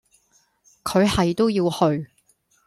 佢係都要去